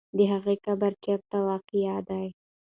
د هغې قبر چېرته واقع دی؟